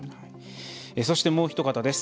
そして、もうひと方です。